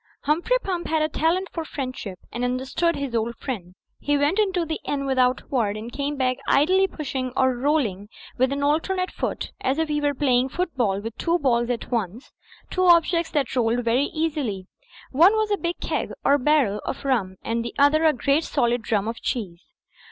Humphrey Pump had a talent for friendship, and understood his old friend. He went into the inn without a word; and came back idly pushing or roll ing with an alternate foot (as if he were playing foot ball with two footballs at once) two objects that rolled very easily. One was a big keg or barrel of rum and the other a great solid drum of a cheese.